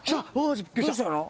どうしたの？